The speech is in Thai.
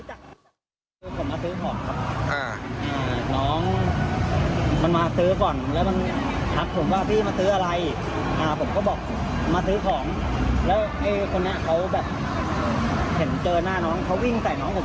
อันนี้ผมไม่รู้พี่ก็คือมัน๒คนล็อกแขนน้องผมแล้ว